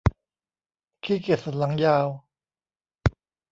ขี้เกียจสันหลังยาว